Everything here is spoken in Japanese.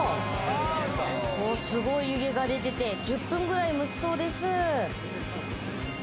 すごい湯気が出てて、１０分くらい蒸すそうです。